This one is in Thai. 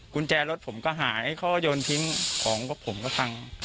กุญแจรถผมก็หายเขาก็ยนต์พิมพ์ของก็ผมก็ตังค์